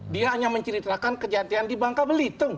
dia hanya menceritakan kejadian di bangka belitung